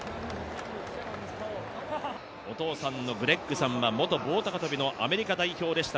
お父さんのグレッグさんは元棒高跳のアメリカ代表でした。